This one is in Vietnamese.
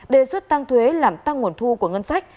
đề xuất tăng thuế làm tăng nguồn thu của ngân sách